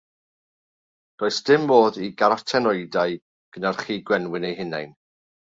Does dim modd i garotenoidau gynhyrchu gwenwyn eu hunain.